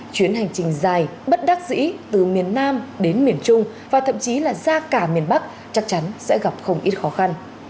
chuyến hành trình dài bất đắc dĩ từ miền nam đến miền trung và thậm chí là ra cả miền bắc chắc chắn sẽ gặp không ít khó khăn